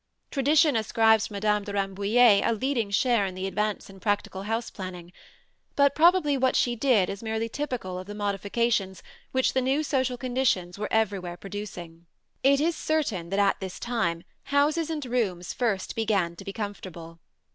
Tradition ascribes to Madame de Rambouillet a leading share in the advance in practical house planning; but probably what she did is merely typical of the modifications which the new social conditions were everywhere producing. It is certain that at this time houses and rooms first began to be comfortable.